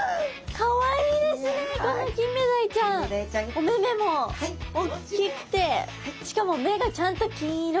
お目々もおっきくてしかも目がちゃんと金色！